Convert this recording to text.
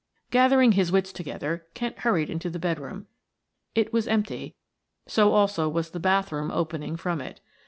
Gathering his wits together Kent hurried into the bedroom it was empty; so also was the bathroom opening from it.